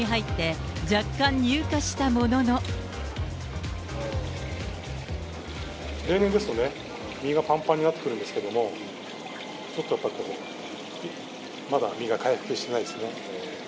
今週に入って、若干入荷したもの例年ですとね、身がぱんぱんになってくるんですけども、ちょっとやっぱりこう、まだ身が回復してないですね。